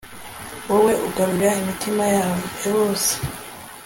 wowe ugarura imitima yabose